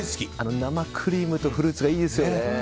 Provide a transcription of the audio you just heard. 生クリームとフルーツがいいですよね。